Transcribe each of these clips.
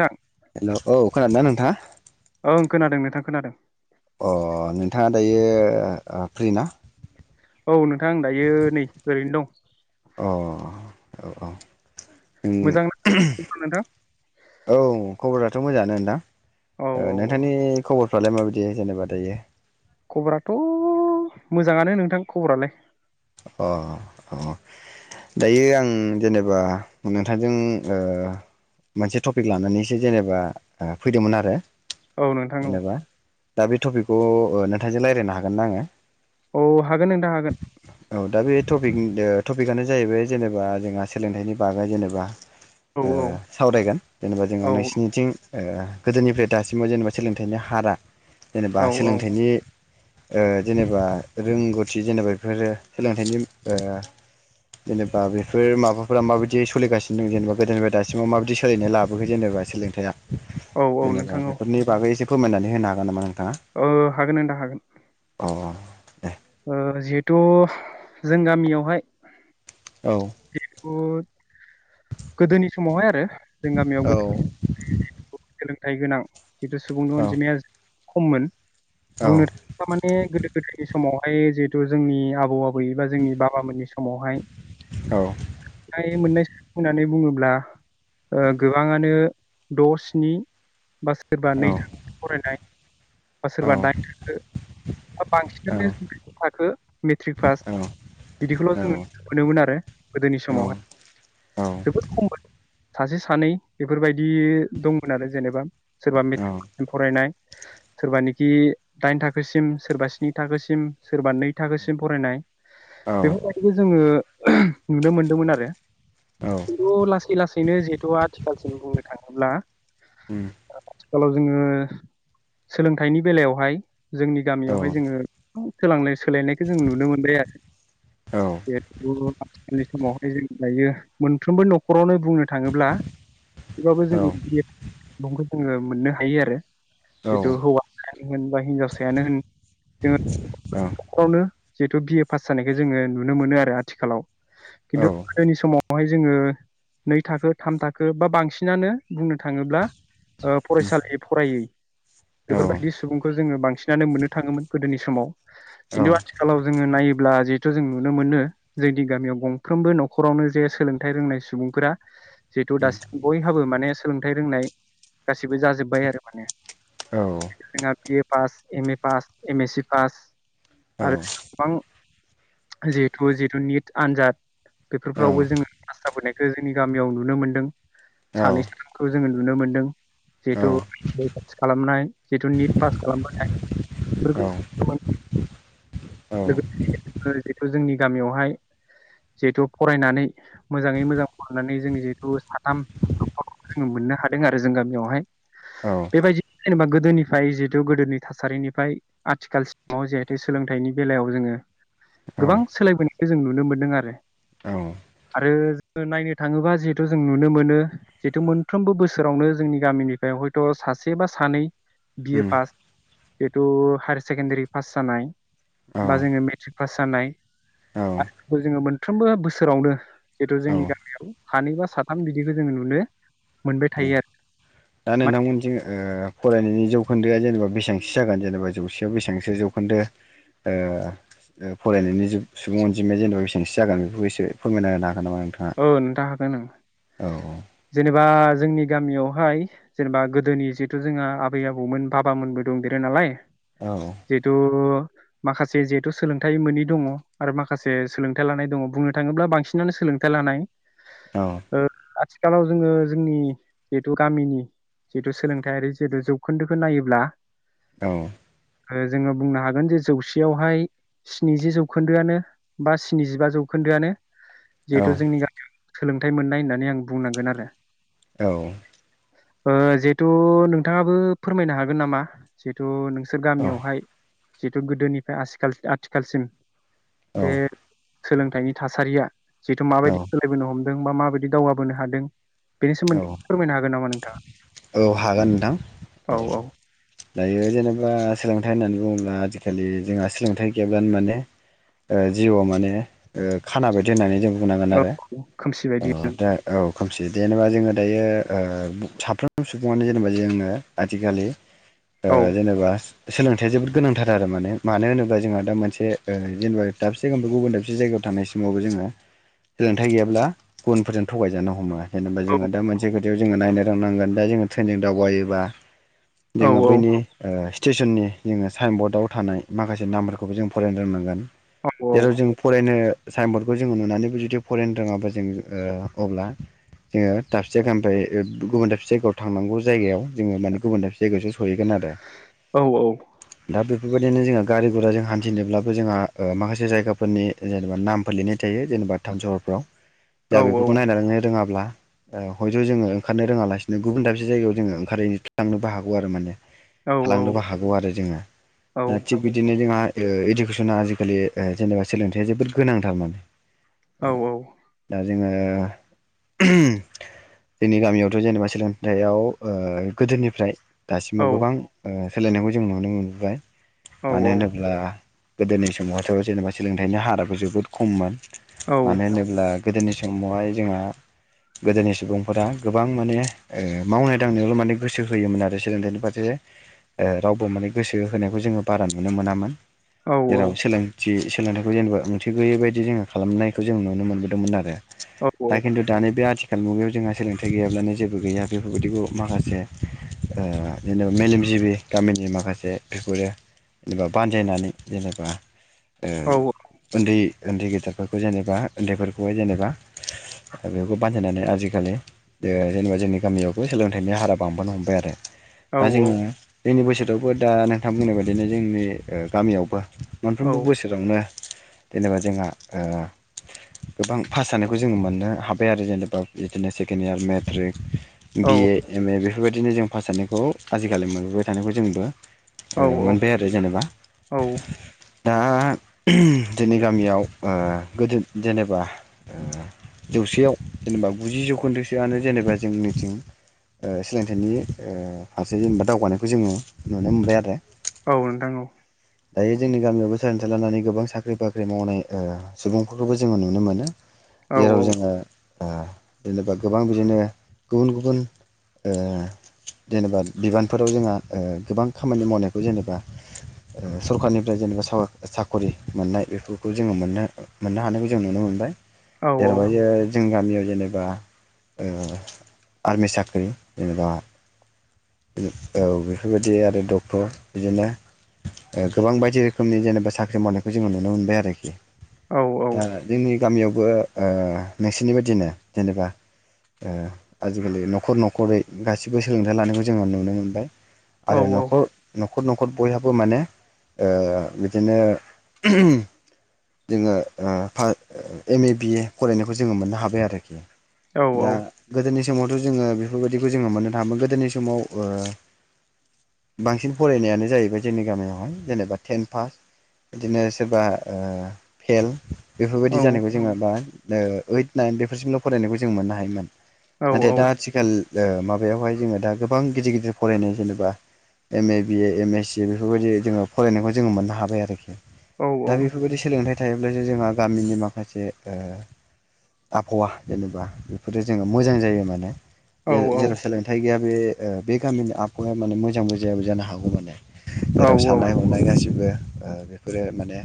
नोंथां हेल' औ। खोनादोंना नोंथाङा? ओं खोनादों नोंथां खोनादों। अ नोंथाङा दायो फ्रि ना? औ नोंथांं दायो नै ओरैनो दं। अ औ औ। मोजां ना खबरा नोंथां? औ खबराथ' मोजाङानो औ नोंथां। औ नोंथांनि खबर फ्रालाय माबायदि जेनेबा दायो? खबराथ' मोजाङानो नोंथां खबरालाय। अ अ दायो आं जेनेबा नोंथांजों ओ मोनसे टपिक लानानैसो जेनेबा ओ फैदोंमोन आरो। औ नोंथां औ। जेनेबा दा बे टपिकखौ ओ नोंथांजों रायज्लायनो हागोन ना आङो? औ हागोन नोंथां हागोन। औ दा बे टपिक टपिकआनो जाहैबाय जेनेबा जोंहा सोलोंथाइनि बागै जेनेबा औ ओ सावरायगोन जेनेबा जोङो औ नोसिनिथिं ओ गोदोनिफ्राय दासिमाव जेनेबा सोलोंथाइनि हारआ जेनेबा औ औ सोलोंथाइनि ओ जेनेबा रोंगौथि जेनेबा बेफोरो सोलोंथाइनि ओ जेनेबा बेफोर माबाफोरा माबायदि सोलिगासिनो दं जेनेबा गोदोनिफ्राय दासिमाव माबायदि सोलिायनाय लाबोखो जेनेबा सोलोंथाइया? औ औ जेनेबा नोंथां बेफोरनि बागै एसे फोरमायनानै होनो हागोन नामा नों औ हागोन नोंथां हागोन। अ दे ओ जिहेथु जों गामियावहाय औ गोदोनि समावहाय आरो जों गामियाव औ गोदो थाइ गोनां जिथु सुबुंनि औ अनजिमाया खममोन। औ बुंनो थाङोबा माने गोदो गोदायनि स मावहाय जिहेथु जोंनि आबौ आबै बा जोंनि बाबामोननि समावहाय औ नाय मोननाय [unintelligible] बुङोब्ला ओ गोबांआनो दं स्नि बा सोरबा औ नै थाखो फरायनाय बा औ सोरबा दाइन थाखो बा बांसिन औ [unintelligible] थाखो मेट्रिक पास बिदिखौल' जोङो न मोनोमोन आरो गोदोनि समावहाय औ जोबोद खम मोन। सासे सानै बेफोरबायदि दंमोन आरो जेनोबा। सोरबा मेट्रिक [unintelligible] फरायनाय सोरबानिखि दाइन थाखोसिम सोरबा स्नि थाखोसिम सोरबा नै थाखोसिम फरायनाय। बेफोरबायदिनो जोङो नुनो मोनदोंमोन आरो। औ खिन्थु लासै लासैनो जिहेतु आथिखालसिम बुंनो थाङो अब्ला ओम। आथिखालाव जोङो सोलोंथाइनि बेलायावहाय जोंनि औ गामियावहाय औ जोङो [unintelligible] सोलायनायखौ जों नुनो मोनबाय आरो औ बेथ' आथिखालनि समावहाय जों दायो मोनफ्रोमबो न'खरावनो बुंनो थाङोब्ला थेवबाबो जों बि [unintelligible] जोङो मोननो हायो आरो। जिथु हौवायानो होन बा हिनजावसायानो होन जोंङो [unintelligible] जिहेथु बि ए पास जानायखौ जोङो नुनो मोनो आरो आथिखालाव खिथु गोदोनि समाव बेवहाय जोङो नै थाखो थाम थाखो बा बांसिनानो बुंनो थाङोब्ला फरायसालि फरायै बेफोरबायदि सुबुंखौ जोङो बां सिनानो मोननो थाङोमोन गोदोनि समाव खिन्थु आथिखालाव जोङो नायो ब्ला जिहेथु जों नुनो मोनो जोंनि गामियाव गंफ्रोमबो न'खरावनो जे सोलोंथाइ रोंनाय सुबुंफोरा जिहेतु उम दासिम बयहाबो माने सोलोंथाइ रोंनाय गासिबो जाजोब्बाय आरो माने जोंना बियो pass M A pass M S C pass आरो गोबां जिहेतु जितु निट आन्जाद बेफोरावबो जोङो पास जाबोनाय बेखो जोंनि गामियाव नुनो मोन्दों सानैसोखौ जोङो नुनो मोन्दों जिहेथु खालामनाय जिहेथु निट पास खालामनाय बेफोरखौ [inaudible] लोगोसे जिथु जोंनि। गामियावहाय जिहेथु फरायनानै। मोजाङै मोजां खालामनानै जों जिहेथु साथाम। जोङो मोननो हादों आरो जों गामियावहाय। बेबायदि जेनेबा गोद गोदोनिफ्राय जिहेथु गोदोनि थासारिनिफ्राय आथिखाल सिाव जिहेथु सोलोंथाइनि बेलायाव जोङो। गोबां सोलायबोनाय खो जों नुनो मोनदों आरो। औ आरो जोङो नायनो थाङोबा जिहेतु जों नुनो मोनो जिहेथु मोनफ्रोमबो बोसोरावनो जोंनि गामिनिफ्राय हयथ सासे बा सानै। B A pass. जिथु हायार सेकेणडारि पास जानाय बा जोङो मेथ्रिख पास जानाय औ [unintelligible] मोनफ्रोमबो बोसोरावनो। जितु जोंनि गामियाव। सानै बा साथाम बिदिखौ जोङो नुनो। मोनबाय थायो आरो दा मा- नोंथांमोनिथिं ओ फरायनायनि जौखोन्दोआ जेनेबा बेसांसो जागोन जेनेबा जौसेयाव बेसेबांसो जौखोन्दो फरायनायनि सुबुं अनजिमाया जेनेबा बेसेबांसो जागोन बेखौ एसेो फोरमायना होनो हाग औ नोंथां हागोन ओं हागोन जेनेब बा जोंनि गामियावहाय जेनेबा गोदोनि जिहेथु जोंहा आबै आबौमोन बाबामोनबो दंदेरो नालाय। नामा नोंथाङा औ जिथु। माखासे जिहेथु सोलोंथाइ मनि दङ आरो माखासे सोलोंथाइ लानाय दङ बुंनो थाङोब्ला बांसिनानो सोलों। था लानाय औ ओ आथि आथिखालाव जोङो जोंनि जिहेतु गामिनि जितु सोलोंथायारि जिथु जौखोन्दोखौ नायोब्ला। औ। आरो जोङो बुंनो हागोन जे जौसेयावहाय स्निजि जौखोन्दोआनो बा स्निजिबा जौखोन्दोआनो। औ जिहेथु जोंनि गामियाव सोलोंथाइ मोननाय होननानै आं बुंनांगोन आरो। औ। ओ जिहेथु नोंथाङाबो फोरमायनो हागोन नामा जिहेथु नों। जों गामियावहाय जिहेतु गोदोनिफ्राय आथिाल आथिखालसिम। देर सोलोंथाइनि थासारिया जिेथु औ माबायदि सोलायोनो हमो। बा माबायदि दावगाबोनो हादों। बेनि औ सोमोन्दै फोरमायनो हागोन नामा नोंथाङा औ हागोन नोंथां औ। दायो जेनेबा सोलोंथाइ होननानै बुङोब्ला आजिखालि जोंहा सोलोंथाइ गैयाब्लानो माने जिउआव माने खाना बायदि होननानै जों बुंनांगोन औ आरो खोमसि बायदि दा औ। खोमसि। जेनेबा जोङो ओ दायो साफ्रोम सुबुङानो जेनेबा जोङो आथिखालि ओ औ जेनेबा सोलोंथाइा जोबोद गोनांथार आरो माने मानो होनोबा जोंहा दा मोनसे जेनेबा दाबसे एमबा गुबुन दाबसे जायगायाव थानायनाय समावबो जोङो सोलोंथाइ गैयाब्ला गुबुनफोरजों थगायजानो हमो। जेनेबा औ जोंहा दा मोन खोथायाव। जोङो नायनो थांनांगोन दा जोङो ट्रेनजों दावबायोबा। औ जोङो औ बैनि ओ स्टेसननि जोङो साइन बर्डआव थानाय माखासे नामफोरखौबो जों फरायनो रोंनांगोन जेराव जों फरायनो साइन बर्डखौ जोङो नुनानैबो जुदि फरायनो रोङाबा जों ओ अब्ला जोङो दाबसे जायगा ओमफ्राय गुबुन दाबसे जायगायाव थांनांग जायगायाव जोङो माने गुबुन दाबसे जायगायावसो सहैगोन आरो औ दा बे बेबायदिनो जोङो गारि गर जों हान्थिनोब्लाबो जोंहा माखासे जायगाफोरनि जेनेबा नामफोर लिरनाय थायो जेनेबा टाउ सहरफ्राव दा बेफोरखौ औ नायनानैनो रोङाब्ला हयथ' जोङो ओंखारनो रोङालासिनो गुबुन दाबसे जायगायाव जोङो ओंखारहैनो थांनोबो हागौ आरो माने औ औ थालांनोबो हागौ आरो जोङो औ नोंथां औ दा थिग बिदिनो जोंहा इडुकेसना आजिखालि जेनेबा सोलोंथाइया जोबोद गोनांथार माने औ औ। दा जोङो जोंनि गामियावथ' जेनेबा सोलोंथायाइयाव गोदोनिफ्राय दासिमाव गोबां ओ सोलायनायखौ जों नुनो मोनबोबाय। मानो होनोब्ला गोदोनि समावहथ' जेनेबा सोलोंथाइनि हाराबो जोबोद खममोन। मानो होनोब्ला गोदोनि समावहाय जोंहा गोदोनि सुबुंफोरा गोबां माने ओ मावनाय दांनायावल' माने गोसो होयोमोन आरो सोलोंथाइनि फारसे ओ रावबो माने गोसो होनायखौ जोङो बारा नुनो मोनामोन। जेराव सोलोंथि सोलोंथाइखौ जेनेबा ओंथि गैयै बायदि जोङो खालामनायखौ जों नुनो मोनबोदोंमोन आरो। औ दा औ। खिन्थु दानि बे आथिखाल मुगायाव जोंहा सोलोंथाइ गैयाब्लानो जेबो गैया बेफोरबायदिखौ माखासे अ जेनेबा मेलेमजिबि गामिनि माखासे बेफोरो जेनेबा बानजायनानै जेनेबा ओं उन्दै उन्दै गेदेरफोरखौ जेनेबा उन्दैफोरखौहाय जेनेबा बेखौ बान्जायनानै आजिखालि अ जेनेबा जोंनि गामियावबो सोलोंथाइनि हारा बांबानो हमबाय आरो। दा जोङो जोंनि बोसोर थेवबो दा नोंथां बुंनाय बायदिनो जोंनि अ गामियावबो मोनफ्रोमबो बोसोरावनो जेनेबा जोंहा अ गोबां पास जानायखौ जोंङो मोननो हाबाय आरो जेनेबा बिदिनो second year matric BA M A बेबायदिनो जों पास जानायखौ आजिखालि मोनबोबाय थानायबो जोंबो ओ मोनबाय आरो जेनेबा दा जोंनि गामियाव ओ गोदो जेने [unintelligible] जौसेयाव जेनेबा गुजि जौखोन्दोसोआनो जेनेबा जोंनिथिं ओ सोलोंथाइनि ओ फारसे जेनेबा दावगानायखौ जोङो नुनो मोनबाय आरो। औ नोंथां औ। बे जोंनि गामियावबो सोलोंथाय लानानै गोबां साख्रि बाख्रि मावनाय अ सुबुंफोरखौबो जोङो नुनो मोनो। औ जेराव औ। जोङो ओ जेनेबा गोबां बिदिनो गुबुन गुबुन ओ जेनेबा बिबानफोराव जोंहा ओ गोबां खामानि मावनायखौ जेनेबा सरखारनिफ्राय जेनेबा स-साख'रि मोननाय बेफोरखौ जोङो मोननो मोननो हानायखौ जों नुनो मोनबाय औ औ। जोंनि गामियाव जेनेबा ओ आर्मि साख्रि जेनेबा ओ औ बेफोरबायदि आरो डक्टर बिदिनो गोबां बायदि रोखोमनि जेनेबा साख्रि मावनायखौ जोङो नुनो मोनबाय आरोखि। औ औ। दा जोंनि गामियावबो ओ नोंसिनि बायदिनो जेनेबा ओ आजिखालि न'खर न'खरै गासिबो सोलोंथाइ लानायखौ जोङो नुनो मोनबाय आरो नखर न'खर न'खर बयहाबो माने ओ बिदिनो जोङो ओ फा एम ए बिए फरायनो बेखौ जोङो मोननो हाबाय आरो औ दा गोदोनि समावथ' जोङो बेफोरबायदिखौ जोङो मोननो थाङामोन गोदोनि समाव ओ बांसिन फरायनायानो जाहैबाय जोंनि गामियावहाय जेनेबा टेन पास बिदिनो सोरबा ओ फेल बेफोरबायदि औ जानायखौ जोङो बा ओ ओइट नाइन बेफोरसिमल' फरायनायखौ जों मोननो हायोमोन नाथाय दा आथिखाल ओ माबायावहाय जोङो दा गोबां गिदिर गिदिर फरायनाय जेनेबा M A B A M S C बेफोरबायदि जोङो फरायनायखौ जोङो मोननो हाबाय आरोखि दा बेफोरबायदि सोलोंथाइ थायोब्लासो जोंहा गामिनि माखासे ओ आबहावा जेनेबा बेफोरो जोङो मोजां जायो माने जे जेराव सोलोंथाय गैया बे ओ बे गामिनि आबहावाया माने मोजांबो जायाबो जानो हागौ माने जेराव साननाय हनाय गासिबो बेफोरो माने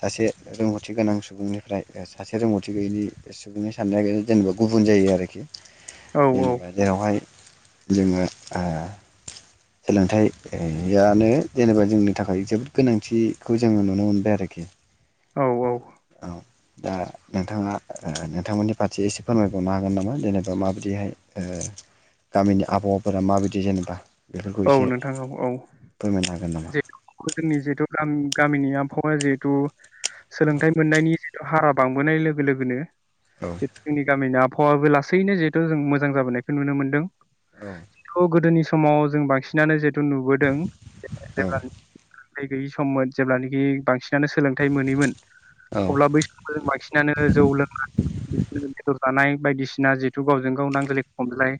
सासे रोंगौथि गोनां सुबुंनिफ्राय सासे रोंगौथि थिग बेबादि सुबुंनि साननाया जेनेबा गुबुन जायो आरोखि जेनेबा जेरावहाय जोङो आ सोलोंथायानो जेनेबा जोंनि थाखाय जोबोद गोनांथिखौ जोङो नुनो मोनबाय आरोखि औ दा नोंथाङा नोंथांमोननि फारसे एसे फोरमायबावनो हागोन नामा जेनेबा माबायदिहाय गामिनि आबहावाफोरा माबायदि जेनेबा बेफोरखौ एसे औ नोंथां औ फोरमायनो हागोन नामा जोंनि जिहेतु गामि गामिनि आबहावाया जिहेतु सोलोंथाइ मोननायनि जिथु हारा बांबोनाय लोगो औ लोगोनो [unintelligible] गामि आब हावा लासैनो जिहेथु जों मोजां जाबोनायखौ नुनो मोनदों औ खौ गोदोनि सम समाव जों बांसिनानो जे नुबोदों औ जेब्ला गैयि सममोन जेब्लानोखि बांसिनानो सोलोंथाइ मोनिमोन औ अब्ला बै समखौ जों बांसिनानो जौ लों थानाय बायदिसिना जिहेथु गावजों गाव नांज्लाय खमज्लाय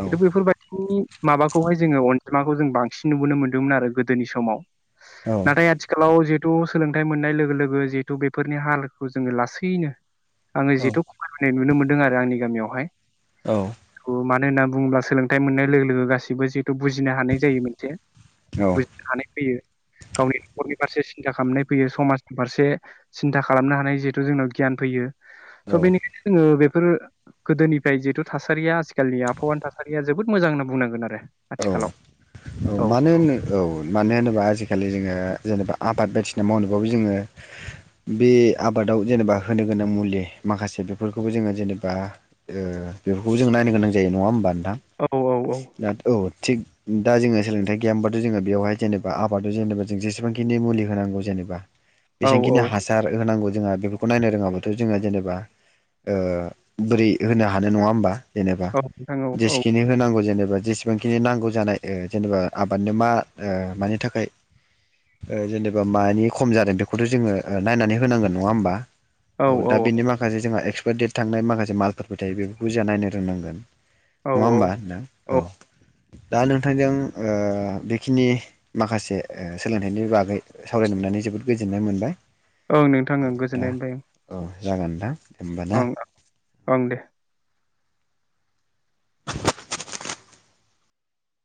औ बेफोरबादिनि माबाखौहाय जोङो अनजिमाखौ जों बांसिन नुबोनो मोनदोंमोन आरो गोद गोदोनि समाव औ नाथाय आथिखालाव जि सोलोंथाइ मोननाय लोगो लोगो जिहेथु बेफोरनि हालखौ जोङो लासैनो आङो जिथु खमाय बोनाय नुनो मोनदों दों आरो आंनि गामियावहाय औ मान होनना बुङोब्ला सोलोंथाइ मोननाय लोगो लोगो गासिबो जि बुजिनो हानाय जायो मोनसे बुजिनो हानाय फैयो गावनि न'खरनि फारसे सिनथा खालामनाय फैयो समाजनि फारसे सिनथा खालामनो हानाय जिहेथु जोंनाव गियान फैयो औ थ' बेनिखायनो जोङो बेब बेफोर गोदोनिफ्राय जिहेतु थासारिया आथिखालनि आबहावानि थासारिया जोबोद मोजां होनना बुंनांगोन आरो औ आथिखालाव औ मानो होननो औ मानो होनोबा आजि आजिखालि जोङो जेनेबा आबाद बायदिसिना मावनोबाबो जोङो बे आफादाव होनो गोनां मुलि माख से बेफोरखौबो जोंङो जेनेबा ओ बेफोरखौबो जोंङो नायनो गोनां जायो नङा होनबा? औ औ उम थिग दा जोङो सोलोंथाइ गैयामोनबाथ' जोङो बेयावहाय जेनेबा आबादाव जेनेबा जों जेसेबांखिनि मुलि होनांगौ जेनेबा औ बेसेबांखिनि औ हासार होनांगौ जोंहा बेफोरखौ नायनो रोङाब्लाथ' जोङो जेनेबा ओ बोरै होनो हानाय नङा होमबा? जेनेबा औ नोंथां औ औ जेसेखिनि होनांगौ जेने बा‌ जेस बेबांखिनि नांगौ जानाय ओ जेनेबा आबादनो मा ओ मानि थाखाय ओ जेनेबा मानि खम जादों बेखौथ' जोङो ओ नायनानै होनांगोन नङा होमबा। औ दा बेनि माखासे जोंहा एक्स देत थांनाय माखासे मालफोर थायो बेफोरखौ जों नायनो रोंनांगोन। औ नङा होमबा नोंथां औ दा नोंथांजों ओ बेखिनि माखासे ओ सोलोंथाइनि बागै सावरायनो मोननानै जोबोद गोजोननाय मोनबाय। औ नोंथां ओं दा गोजोननाय मोनबाय। औ जागोन नोंथां होमबा ना? ओं ओं ओं दे।